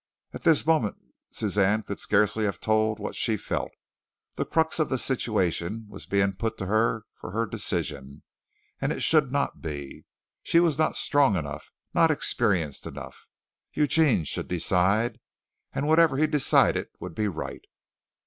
At this moment Suzanne could scarcely have told what she felt. The crux of the situation was being put to her for her decision, and it should not be. She was not strong enough, not experienced enough. Eugene should decide, and whatever he decided would be right.